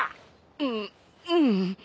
うんうん。